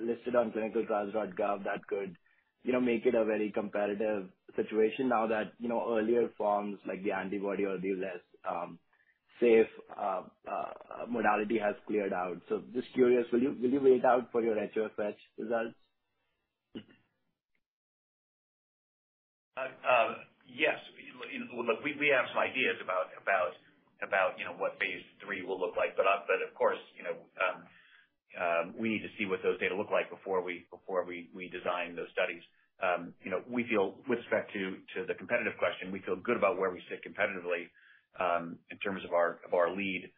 listed on ClinicalTrials.gov that could, you know, make it a very competitive situation now that, you know, earlier forms like the antibody or the less safe modality has cleared out. Just curious, will you wait for your HoFH results? Yes. You know, look, we have some ideas about you know what phase III will look like. Of course, you know, we need to see what those data look like before we design those studies. You know, we feel with respect to the competitive question, we feel good about where we sit competitively, in terms of our lead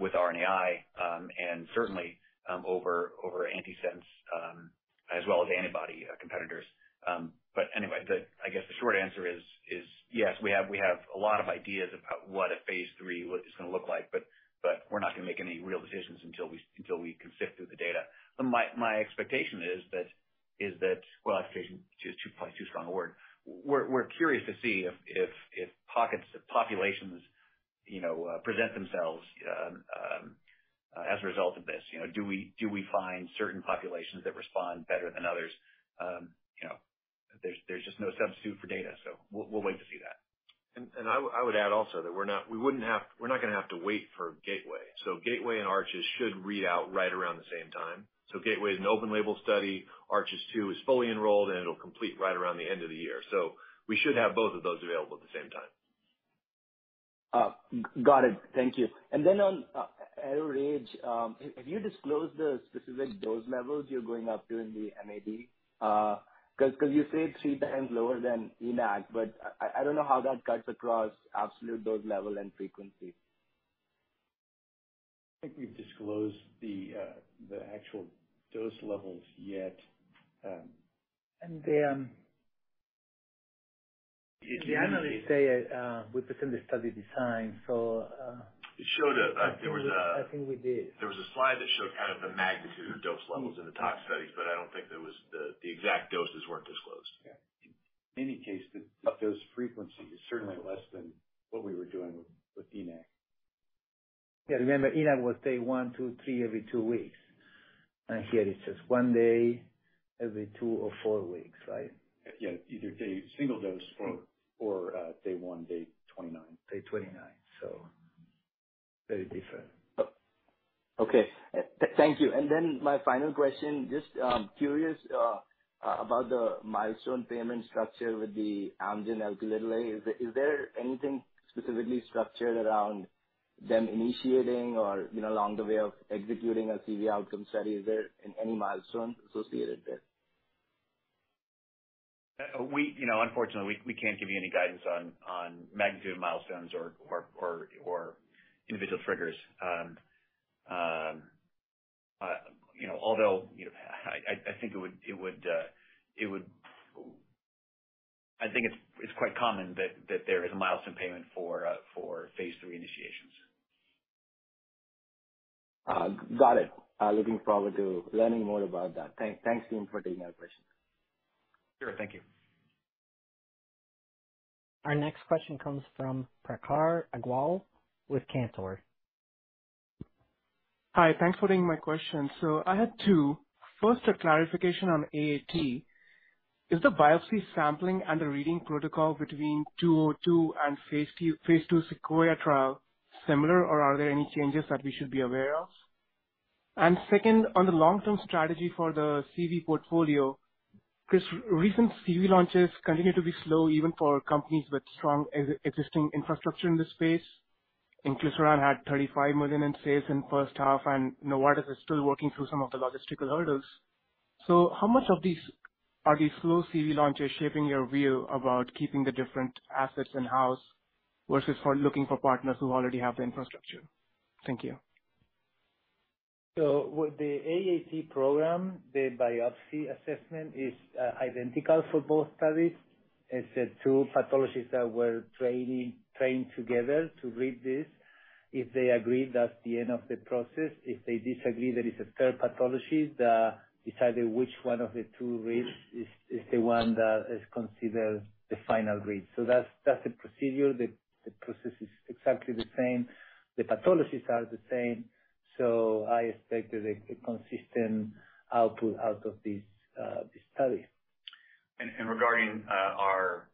with RNAi, and certainly over antisense, as well as antibody competitors. Anyway, I guess the short answer is yes, we have a lot of ideas about what a phase III is gonna look like, but we're not gonna make any real decisions until we can sift through the data. My expectation is that. Well, expectation is probably too strong a word. We're curious to see if pockets of populations, you know, present themselves as a result of this. You know, do we find certain populations that respond better than others? You know, there's just no substitute for data. We'll wait to see that. I would add also that we're not gonna have to wait for GATEWAY. GATEWAY and ARCHES-2 should read out right around the same time. GATEWAY is an open label study. ARCHES-2 is fully enrolled, and it'll complete right around the end of the year. We should have both of those available at the same time. Got it. Thank you. Then on ARO-RAGE, have you disclosed the specific dose levels you're going after in the MAD? 'Cause you said three times lower than ENaC, but I don't know how that cuts across absolute dose level and frequency. I don't think we've disclosed the actual dose levels yet. And the, um- The annual- The annual, say, with the study design. It showed there was. I think we did. There was a slide that showed kind of the magnitude of dose levels in the tox studies, but I don't think there was, the exact doses weren't disclosed. Yeah. In any case, the dose frequency is certainly less than what we were doing with ENaC. Yeah, remember ENaC was day one, two, three, every two weeks. Here it's just one day every two or four weeks, right? Yeah, either single dose or day one, day 29. Very different. Okay. Thank you. My final question, just curious, about the milestone payment structure with the Amgen alliance. Is there anything specifically structured around them initiating or, you know, along the way of executing a CV outcome study? Is there any milestones associated there? You know, unfortunately, we can't give you any guidance on magnitude of milestones or individual triggers. You know, although you know, I think it's quite common that there is a milestone payment for phase III initiations. Got it. Looking forward to learning more about that. Thanks again for taking my questions. Sure. Thank you. Our next question comes from Prakhar Agrawal with Cantor. Hi. Thanks for taking my question. I had two. First, a clarification on AAT. Is the biopsy sampling and the reading protocol between 202 and phase II, phase II SEQUOIA trial similar, or are there any changes that we should be aware of? Second, on the long-term strategy for the CV portfolio, 'cause recent CV launches continue to be slow even for companies with strong existing infrastructure in this space. Inclisiran had $35 million in sales in first half, and Novartis is still working through some of the logistical hurdles. How much of these, are these slow CV launches shaping your view about keeping the different assets in-house versus for looking for partners who already have the infrastructure? Thank you. With the AAT program, the biopsy assessment is identical for both studies. It's the two pathologists that were trained together to read this. If they agree, that's the end of the process. If they disagree, there is a third pathologist deciding which one of the two reads is the one that is considered the final read. That's the procedure. The process is exactly the same. The pathologists are the same. I expect a consistent output out of this study. Regarding our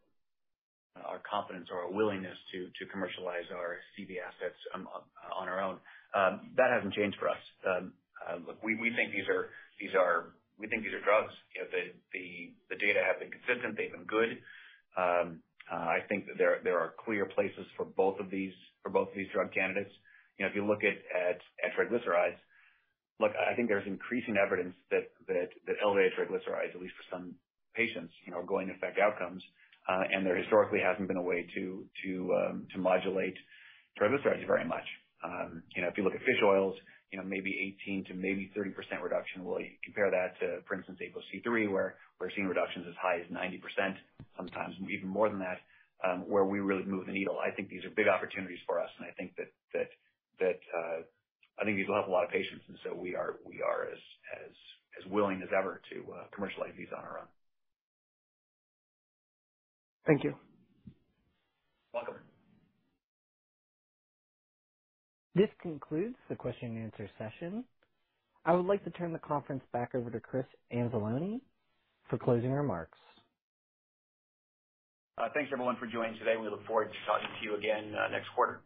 confidence or our willingness to commercialize our CV assets on our own, that hasn't changed for us. Look, we think these are drugs. You know, the data have been consistent. They've been good. I think that there are clear places for both of these drug candidates. You know, if you look at triglycerides, I think there's increasing evidence that elevated triglycerides, at least for some patients, you know, are going to affect outcomes. There historically hasn't been a way to modulate triglycerides very much. You know, if you look at fish oils, you know, maybe 18% to maybe 30% reduction. Well, you compare that to, for instance, APOC3, where we're seeing reductions as high as 90%, sometimes even more than that, where we really move the needle. I think these are big opportunities for us, and I think these will help a lot of patients, and so we are as willing as ever to commercialize these on our own. Thank you. Welcome. This concludes the question and answer session. I would like to turn the conference back over to Christopher Anzalone for closing remarks. Thanks everyone for joining today. We look forward to talking to you again, next quarter.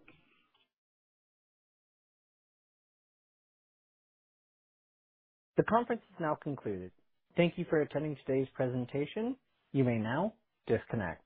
The conference is now concluded. Thank you for attending today's presentation. You may now disconnect.